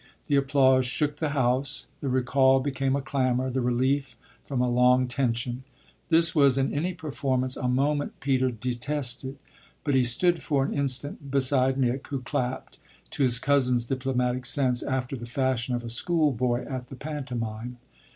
The applause shook the house the recall became a clamour, the relief from a long tension. This was in any performance a moment Peter detested, but he stood for an instant beside Nick, who clapped, to his cousin's diplomatic sense, after the fashion of a school boy at the pantomime.